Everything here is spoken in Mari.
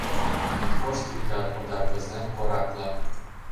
Йӱдвошт рӱдат одар пызлем корак-влак.